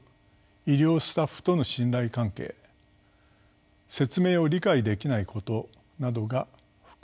医療スタッフとの信頼関係説明を理解できないことなどが含まれます。